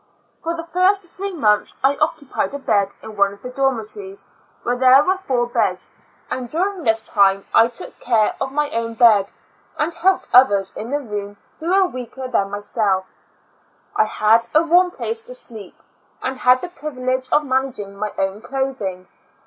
For the first three months I occupied a bed in one of the dormitories where there were four beds, and during this time I took care of my own bed, and helped others in the room who were weaker than myself I had a warm place to sleep, and had the privilege of managing my own clothing.